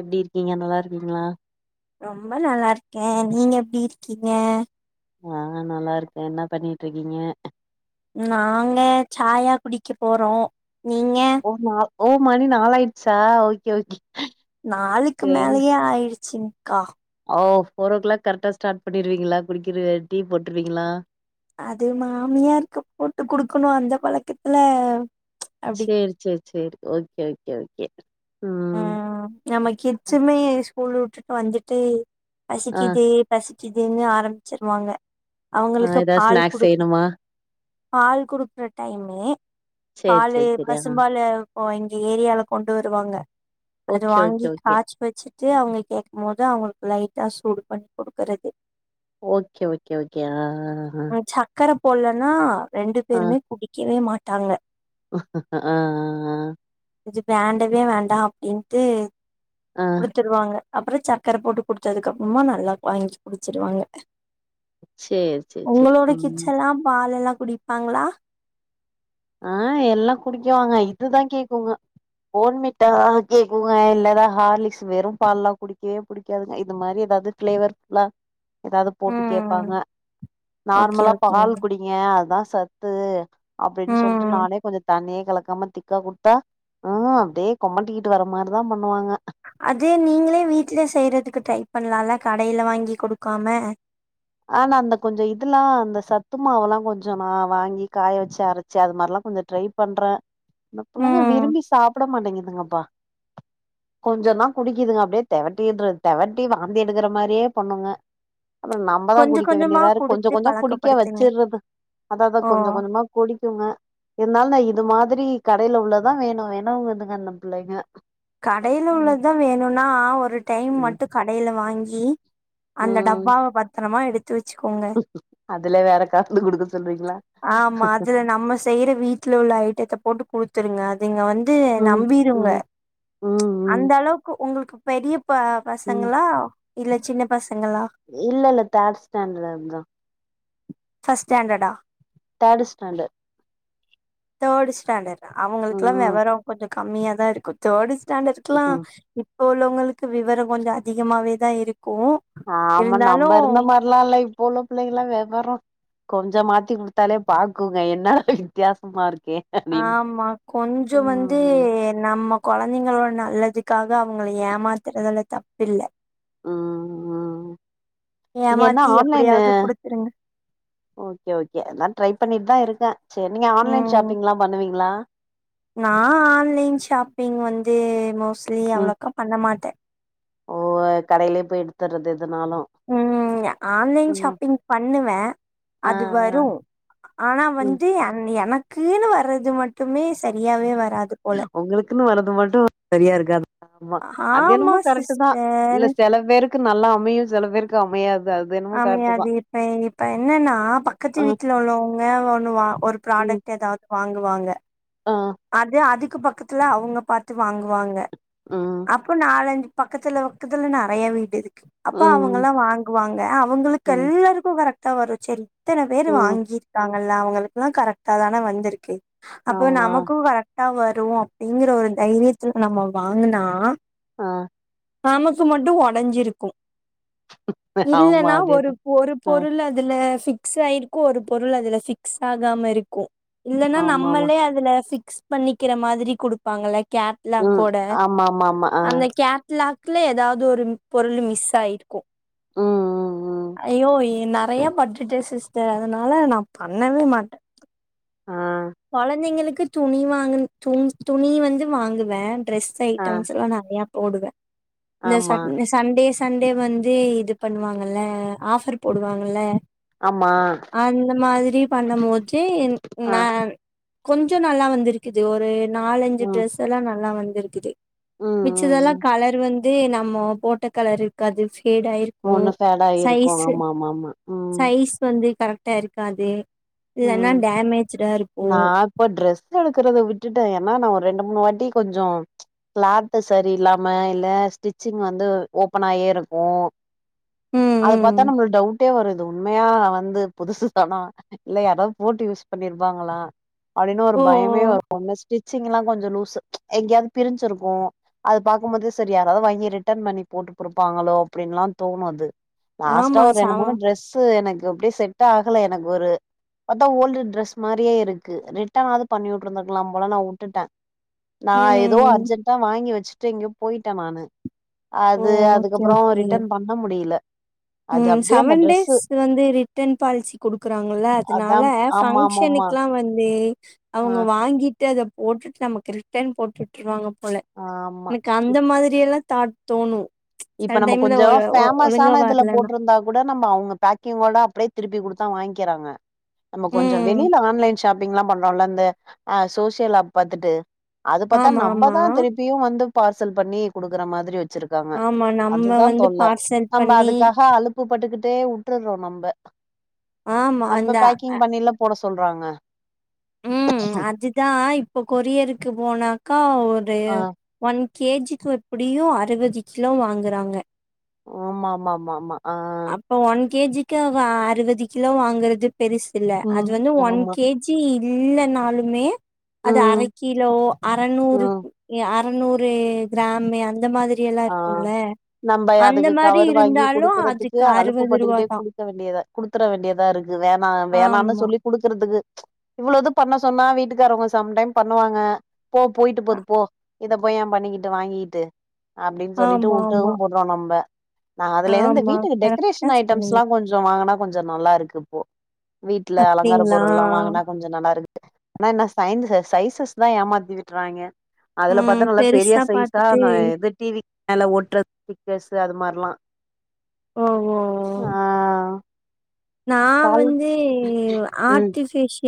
எப்டி இருக்கீங்க நல்லா இருக்கீங்களா ரொம்ப நல்லா இருக்கேன் நீங்க எப்டி இருக்கீங்க ஆ நல்லா இருக்கேன் என்ன பண்ணிட்டு இருக்கீங்க நாங்க சாயா குடிக்க போறோம் நீங்க ஓ நா ஓ மணி நாளாயிடுச்சா ஓகே ஓகே நாலுக்கு சேரி மேலயே ஆயிடுச்சுங்க்கா ஓ போர் ஓ கிளாக் கரெக்டா ஸ்டார்ட் பண்ணிருவீங்களா குடிக்கிற டீ போட்ரூவீங்களா அது மாமியார்க்கு போட்டு குடுக்கணு அந்த பழக்கத்துல அப்டி செரி செரி செரி ஓகே ஓகே ஓகே ம் ம் நம்ம கிட்ஸ்சுமே ஸ்கூலவுட்டு வந்துட்டு ஆ பசிக்குது பசிக்குதுன்னு ஆரம்பிச்சிருவாங்க ஆ அவுங்களுக்கு ஏதாவது பால் ஸ்நாக்ஸ் குடுக்க செய்யணுமா பால் குடுக்குற டைமு சேரி பாலு சேரி சேரி ஆ பசும்பாலு இப்போ இந்த ஏரியாவுல கொண்டு வருவாங்க அது ஓகே ஓகே வாங்கி ஓகே காச்சி வெச்சிடி ட்டு அவுங்க கேக்கும் போது அவுங்களுக்கு லைட்டா சூடு பன்னி குடுக்கறது ஓகே ஓகே ஓகே ஆ ஆ ஆ ஆ ம் சக்கர போட்லன்னா ரெண்டு பேருமே குடிக்கவே மாட்டாங்க ஆ ஆ இது வேண்டவே வேண்டா அப்டின்ட்டு ஆ ஆ குடுத்துருவாங்க அப்றோ சர்கர போட்டு குடுத்ததுக்கு அப்பறமா நல்லா வாங்கி குடிச்சிருவாங்க சேரி சேரி சேரி உங்களோட ம் கிட்ஸ் எல்லா பால் எல்லா குடிப்பாங்களா ஆ எல்லா குடிக்குவாங்க இதுதா கேக்குங்க போன்விட்டா கேக்குங்க இல்லா ஏதா ஹார்லிக்ஸ் வெறு பால்லா குடிக்கவே குடிக்காதுங்க இது மாரி ஏதாது ஃப்ளேவர் ஃபுல்லா ஏதாது போட்டு ம் கேட்பாங்க ஓகே நார்மலா பால் ஓகேங்க குடி ஏயே அதா சத்து அப்டின்னு சொல்லிட்டு ம் நானே கொஞ்சோ தண்ணிய கலக்காம திக்கா குடுத்தா ம் அப்டியே கொமட்டிக்கிட்டு வர்ற மாறிதா பண்ணுவாங்க அதை நீங்களே வீட்ல செய்றதுக்கு ட்ரை பண்ணலாம்ல கடையில வாங்கி குடுக்காம ஆ நா அந்த கொஞ்சோ இதெல்லா அந்த சத்து மாவெல்லா கொஞ்சோ நா வாங்கி காய வெச்சி அரைச் சி அது மாரில்லா கொஞ்சோ ட்ரை பண்றே இந்த பிள்ளைங்க ம் விரும்பி சாப்ட மாட்டேங்கிதுங்கப்பா கொஞ்சதா குடிக்குதுங்க அப்டியே தேகட்டிடு தேகட்டி வாந்தி எடுக்கற மாரியே பண்ணுங்க அப்றோ நம்பதா கொஞ்ச குடிக்க கொஞ்சமா வேண்டியதாயிருக்கு கொஞ்ச குடுத்து கொஞ்சோ குடிக்க பழக்கப்படுத்துங்க வெச்சிட்றது அதா அதா கொஞ்ச ஓ கொஞ்சமா குடிக்குங்க இருதாலு நா இது மாரி கடையில உள்ளததா வேணும் வேணுங்குதுங்க அந்த பிள்ளைங்க கடைல ம் உள்ளதுதா வேணும்னா ஒரு டைம் ம் மட்டு கடையில வாங்கி அந்த ம். டப்பாவ பத்தரமா எடுத்து வெச்சிக்கோங்க அதுல வேற கலந்து குடுக்கறது ஆமா அதுல நம்ம செய்ற வீட்ல உள்ள ஐட்டத்த போட்டு குடுத் குடுத்துருங்க அதுங்க வந்து ம் நம்பிருங்க ம் ம் ம் அந்த அளவுக்கு உங்களுக்கு பெரிய ப ம் பசங்களா இல்ல சின்ன பசங்களா இல்ல இல்ல தேட் ஸ்டாண்டர்ட்ல தா ஃபர்ஸ்ட் ஸ்டாண்டர்ட்டா தேர்ட் ஸ்டாண்டர்ட் தேர்டு ஸ்டாண்டர்ட் அவங்களுக்கெல்லா ம் விவரோ கொஞ்சோ கம்மியா தா இருக்கு தேர்டு ஸ்டாண்டர்ட்லா ம் இப்போ உள்ளவங்களுக்கு எல்லா விவரோ கொஞ்சோ அதிகமவே தா இருக்கு ஆமா இருந்தாலு நம்ம இருந்த மாரில்லா இல்ல இப்போ உள்ள பிள்ளைங்க எல்லா விவரோ கொஞ்சோ மாத்தி குடுத்தாலே பாக்குங்க என்னடா வித்தியாசமா இருக்கே அப்டின்னு ஆமா கொஞ்சோ வந்து ம் நம்ம கொழந்தைங்களோட நல்லதுக்காக அவுங்கள ஏமாத்துறதுல தப்பில்ல ம் ம் நீங்க என்ன ஏமாத்தி ஆன்லைனு எப்புடியாவது குடுத்துருங்க ஓகே ஓகே எல்லா ட்ரை பண்ணிட்டு தா இருக்கே சேரி நீங்க ஆன்லைன் ம் ஷாப்பிங்லா பண்ணுவீங்ளா நா ஆன்லைன் ஷாப்பிங் வந்து மோஸ்ட்லி ம் அவ்ளோக்கா பண்ண மாட்டே ஓ கடையிலயே போய் எடுத்துட்றது எதுனாலு ம் ஆன்லைன் ம் ஷாப்பிங் பண்ணுவே ஆ ஆ அது வரு ஆனா ம் வந்து எனக்குன்னு வர்றது மட்டுமே சரியாவே வராது போல உங்களுக்குன்னு வர்றது மட்டு சரியா இருக்காது ஆமா அது ஆமா என்னமோ கரெக்ட் தா சிஸ்டர் இல்ல சில பேர்க்கு நல்லா அமையு சில பேர்க்கு அமையாது அது என்னமோ கரெக்ட் தா ஆமையாது இப்ப இப்ப என்னன்னா ஆ பக்கத்து வீட்ல உள்ளவங்க ஒண்ணு வா ஒரு ம் ப்ராடக்ட் ஏதாவது வாங்குவாங்க ஆ அது அதுக்கு பக்கத்துல அவுங்க பாத்து வாங்குவாங்க ம் அப்போ நாலஞ்சு பக்கத்துல பக்கத்துல நெறைய வீடுருக்கு அப்ப ம் அவுங்கல்லா வாங்குவாங்க அவுங்களுக்கு ம் எல்லாருக்கு கரெக்ட்டா வரு சேரி இத்தன பேரு ம் வாங்கி ருக்காங்களா அவங்களுக்கெல்லா கரெக்டா தான வந்திருக்கு அப்ப ஆமா நமக் கு கரெக்டா வரு அப்டிங்கற ஒரு தைரியத்துல நம்ம வாங்குனா ஆ நமக்கு மட்டு உடஞ்சிருக்கு ஆமா இல்லன்னா ஒரு அதேதா பொ ஒரு ஆ பொருள துல பிக்ஸ் ஆயிருக்கு ஒரு பொருள் அதுல பிக்ஸ் ஆகாமருக்கு இல்லன்னா ஆமா ஆமா நம்மளே அதுல பிக்ஸ் பண்ணிக்கிற மாதிரி குடுப்பாங்கள ம் கேட்லாக்கோட ஆமா ஆமா ஆமா ஆ அந்த கேட்லாக்ல ஏதாவது ஒரு பொருள் மிஸ் ஆயிரு க்கு ம் ம் ம் ஐயோ நெறைய பட்டுட்டே சிஸ் சேரி அதனால நா பண்ணவே மாட்டே ஆ கொழந்தைங்களுக்கு துணி வாங்குன் துணி வந்து வாங்குவே ட்ரெஸ் ஸ் ஆ ஐட்டம்ஸ்ல்லா நறைய போடுவ இந்த ஆமா ச சண்டே சண்டே வந்து இது பண்ணுவாங்கல ஆஃபர் போடுவாங்கல ஆமா அந்த மாதரி பண்ணும் போது என் ஆ நா கொஞ்சோ நல்லா வந்திருக்குது ஒரு நாலஞ்சு ம் டிரஸ் எல்லா நல்லா வந்துருக்குது ம் ம் மிச்சதெல்லா ம் கலர் வந்து நம்ம போட்ட கலர் இருக்காது ஃபேட் ஆயிரு க்கு ஒண்ணு ஃபேடாயி இருக்கு சைஸ்ஸு ஆமா ஆமா ஆமா ம் சைஸ் வந்து கரெக்ட் டா இருக்காது இல்லன்னா ம் டேமேஜூடா இரு நா இப்ப ட்ரஸ் எடுக்கறத விட்டுட்ட ஏன்னா நா ஒரு ரெண்டு மூணு வாட்டி கொஞ்சோ கிளாத்து சரியில்லாம இல்ல ஸ்டிச்சிங் வந்து ஓப்பனாயேருக்கோ ம் அது பாத்தா ம் நம்ளுக்கு டவுட்டே வருது உண்மயா வந்து புதுசு தானா இல்ல யாராது போட்டு யூஸ் பண்ணிருப்பாங்களா அப்டின்னு ஒரு ஓ பயமே ஓ. வந்துச்சு ஸ்டிச்சிங்ல்லா கொஞ்சோ லூஸ்ஸு எங்கயாவது பிரிஞ்சிருக்கோ அது பாக்கும்போது செரி யாராது வாங்கி ரிட்டர்ன் பண்ணி போட்டு போருப்பாங்களோ அப்டின்னுலா தோணு அது லாஸ்ட்டா ஆமா ஒரு ரெண்டு சவ மூணு டிரரெஸ்ஸு எனக்கு அப்டியே செட் ஆகல எனக்கொரு பாத்தா ஓல்டு டிரஸ் மாரியே இருக்கு ரிட்டர்ன் ஆவது பண்ணி உட்ருந்துக்கலா போல நா உட்டுட்டே நா ஏதோ ம் அர்ஜென்டா வாங்கி வச்சுட்டு எங்கியோ போயிட்டே நானு ஓ அது ஓகே அதுக்கப்றோ ஓகே ரிட்டர்ன் பண்ண முடியல அது ம் அப்டியே அந்த செவன் டேஸ் ட்ரெஸ்ஸு வந்து ரிட்டர்ன் பால்சி குடுக்குறாங்கல்ல அதா அதனால ஆமா ஆமாமா ஃபங்க்ஷனுக்குல்லா வந்து ஆ அவுங்க வாங்கிட்டு அத போட்டுட்டு நமக்கு ரிட்டன் போட்டுட்டுருவாங்க போல ஆமா எனக்கு அந்த மாதிரியெல்லா தாட் தோணு சில இப்ப நம்ம டைம்ல கொஞ்சோ ஒ ஒ ஃபேமஸ் ஒழுங்கா ஆன இதுல வரலன்னா போட்ருந்தா கூட நம்ம அவுங்க பேக்கிங்கோட அப்டியே திருப்பி குடுத்தா வாங்கிகுறாங்க நம்ம கொஞ்சோ ம் வெளில ஆன்லைன் ஷாப்பிங்ல்லா பண்றோல்ல இந்த அ சோஷியல் ஆப் பாத்துட்டு அது பாத்தா ஆமா நம்ம ஆமா தா திருப்பியு வந்து பார்சல் பண்ணி குடுக்குற மாதிரி வச்சிருக்காங்க ஆமா நம்ம அதுதா வந்து தொல்ல பார்சல் நம்ம பண்ணி அதுக்கா வ அவப்பு பட்டுக்கிட்டே உட்டுறோ நம்ப ஆமா நம்ப அந்த பேக்கிங் பண்ணியில்லா போட சொல்றாங்க ம் அதுதா இப்ப கொரியருக்கு போனாக்கா ஒரு ஆ ஒன் கேஜிக்கு எப்படியு அறுவது கிலோ வாங்குறாங்க ஓ மா மா மா மா அ ஒன் கேஜிக்கு அவ அறுவது கிலோ வாங்குறது பெருசில்ல அது ம் வந்து ஒன் ஆமா கே ஜி இல்லன்னாலுமே அது அர ம் கிலோ அறநூறு ம் எ அ ந்நூறு கிராமு அந்த மாத் யெல்லா ஆ இருக்குல்ல அந்த மாரி இருந்தாலோ அதுக் கு அலுப்பு பட்டுக்கிட்டே குடுக்க வேண்டியதா குடுத்தற வேண்டியதா இருக்கு வேணா வேணானு ஆமா. சொல்லி குடுக்கறதுக்கு இவ்வளோது பண்ண சொன்னா வீட்டுக்காரங்க சம் டைம் பண்ணுவாங்க போ போயிட்டு அ போது போ இத போய் ய பண்ணிக்கிட்டு வாங்கிக்கிட்டு அப்டின்னு சொல்லிட்டு உட்டவு ஆமாமா. போட்லா நம்ப நா அதுலேந்து ஆமா. வீட்டுக்கு கரெக்ட்டா டெக்கரேஷன் சொன்னீங்க. ஐட்டம்ஸ்ல்லா கொஞ் கொஞ்சோ வாங்கனா கொஞ்சோ நல்லாருக்கு இப்போ வீட்ல அலங்கார அப்டிங்களா? பொருள்ல்லா வாங்கனா கொஞ்சோ நல்லாருக்கு ஆனா என்ன சைந் சைசஸ் தா ஏமாத்தி விட்றாய்ங்க அதுல ம். பாத்தா நல்லா பெரிய பெருசா சைஸா நா பாத்துட்டு இது டி வி மேல ஒட்டுறது பிக்ச்சர்ஸ்ஸு அது மார்ல்லா ஓ ஓ நா கால் வந்து ம் ஆர்டிஃபிஷ்